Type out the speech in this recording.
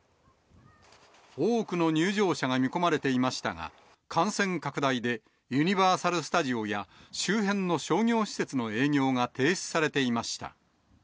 多くの入場者が見込まれていましたが、感染拡大でユニバーサル・スタジオや周辺の商業施設の営業が停止されていました。